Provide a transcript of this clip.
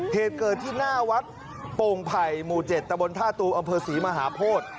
เหตุเกิดที่หน้าวัดโป่งไผ่หมู่๗ตะบนท่าตูอำเภอศรีมหาโพธิ